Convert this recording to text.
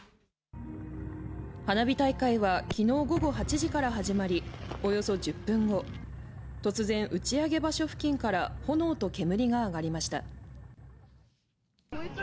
花火大会は昨日午後８時から始まりおよそ１０分後、突然打ち上げ場所付近から炎と煙が上がりました。